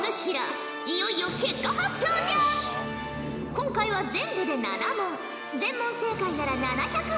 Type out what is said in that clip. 今回は全部で７問全問正解なら７００